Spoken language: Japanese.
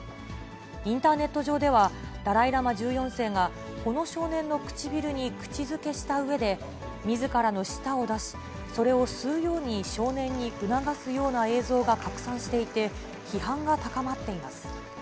インターネット上では、ダライ・ラマ１４世が、この少年の唇に口づけしたうえで、みずからの舌を出し、それを吸うように少年に促すような映像が拡散していて、批判が高まっています。